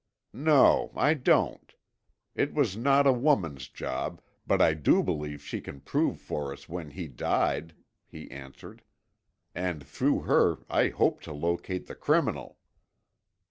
"No, I don't. It was not a woman's job, but I do believe she can prove for us when he died," he answered. "And through her I hope to locate the criminal."